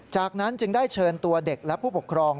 จากนั้นจึงได้เชิญตัวเด็กและผู้ปกครอง